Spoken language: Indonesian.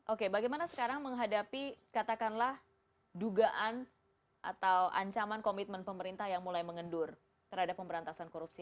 oke bagaimana sekarang menghadapi katakanlah dugaan atau ancaman komitmen pemerintah yang mulai mengendur terhadap pemberantasan korupsi